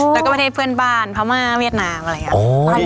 แล้วก็ประเทศเพื่อนบ้านพม่าเวียดนามอะไรอย่างนี้